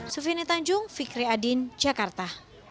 sufini tanjung fikri adin jakarta